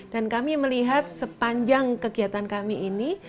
dan kami melihat sepanjang kegiatan kami ini